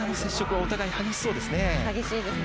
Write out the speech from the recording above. お互い激しそうですね。